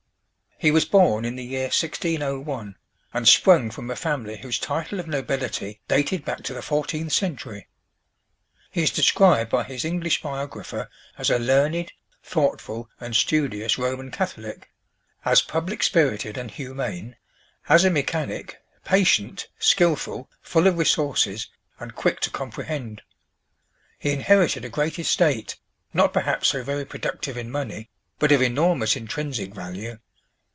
He was born in the year 1601, and sprung from a family whose title of nobility dated back to the fourteenth century. He is described by his English biographer as a learned, thoughtful, and studious Roman Catholic; as public spirited and humane; as a mechanic, patient, skillful, full of resources, and quick to comprehend. He inherited a great estate, not perhaps so very productive in money, but of enormous intrinsic value.